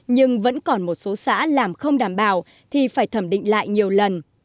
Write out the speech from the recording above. nhưng vẫn còn một số xã làm không đảm bảo thì phải thẩm định lại nhiều lần